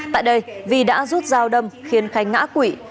tại đây vi đã rút dao đâm khiến khánh ngã quỷ